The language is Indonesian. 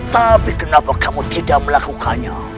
tapi kenapa kamu tidak melakukannya